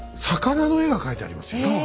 魚の絵が描いてありますよ。